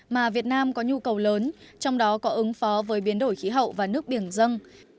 mà việt nam có nhu cầu lớn trong đó có ứng phó với biến đổi khí hậu và nước biển dân